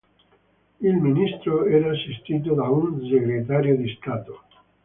Il ministro era assistito da un Segretario di Stato.